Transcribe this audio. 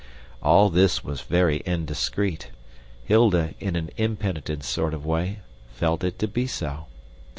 All this was very indiscreet. Hilda, in an impenitent sort of way, felt it to be so.